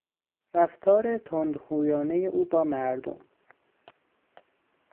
رفتار تندخویانهی او با مردم